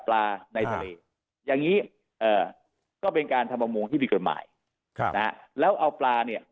ส่วนนี้พอดนั้นเมื่อมีการเติม